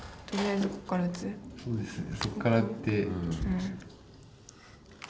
そうですね